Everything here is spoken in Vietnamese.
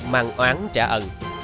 mang oán trả ẩn